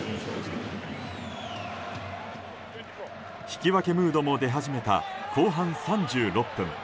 引き分けムードも出始めた後半３６分。